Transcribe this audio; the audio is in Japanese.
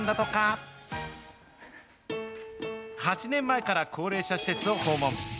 ８年前から高齢者施設を訪問。